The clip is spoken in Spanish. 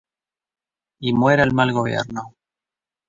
Y muera el mal gobierno...".